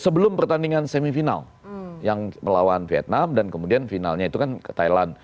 sebelum pertandingan semifinal yang melawan vietnam dan kemudian finalnya itu kan thailand